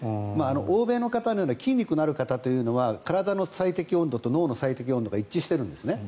欧米のように筋肉のある方というのは体の最適温度と脳の最適温度が一致しているんです。